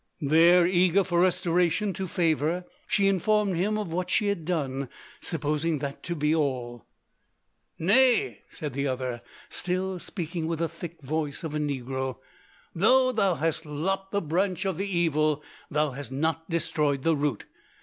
There, eager for restoration to favour, she informed him of what she had done, supposing that to be all. "Nay," said the other, still speaking with the thick voice of a negro; "though thou hast lopped the branch of the evil thou hast not destroyed the root.